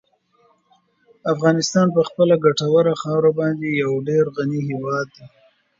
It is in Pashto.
افغانستان په خپله ګټوره خاوره باندې یو ډېر غني هېواد دی.